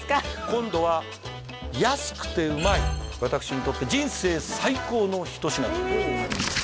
今度は安くてうまい私にとって人生最高の一品でございます